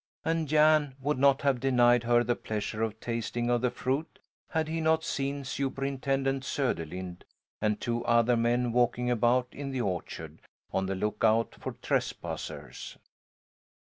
And Jan would not have denied her the pleasure of tasting of the fruit had he not seen Superintendent Söderlind and two other men walking about in the orchard, on the lookout for trespassers.